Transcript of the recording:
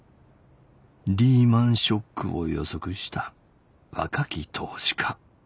リーマンショックを予測した若き投資家。